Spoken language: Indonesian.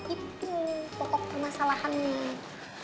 itu pokok permasalahan nih